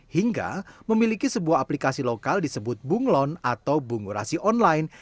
hingga memiliki sebuah aplikasi lokal disebut bunglon atau bungurasi online